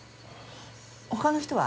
他の人は？